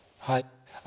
はい。